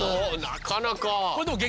なかなか。